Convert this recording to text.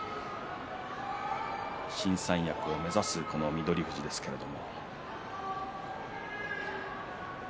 新三役を目指すこの翠富士ですけれども。